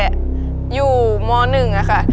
แต่อยู่ม๑อะค่ะ